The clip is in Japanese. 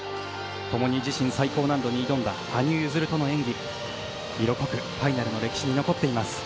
共に自身最高難度に挑んだ羽生結弦との演技色濃くファイナルの歴史に残っています。